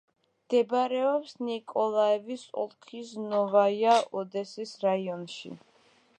მდებარეობს ნიკოლაევის ოლქის ნოვაია-ოდესის რაიონში.